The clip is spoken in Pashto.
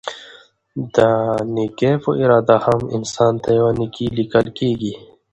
د نيکي په اراده هم؛ انسان ته يوه نيکي ليکل کيږي